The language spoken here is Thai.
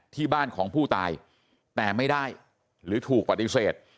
ที่บ้านของผู้ตายแต่ไม่ได้หรือถูกปฏิเสธ